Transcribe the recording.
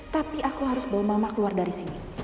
tapi aku harus bawa mama keluar dari sini